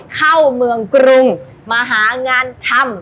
เข้าเมืองกรุงมาหางานทำ